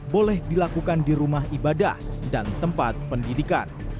boleh dilakukan di rumah ibadah dan tempat pendidikan